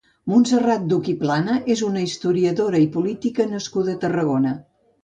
Montserrat Duch i Plana és una historiadora i política nascuda a Tarragona.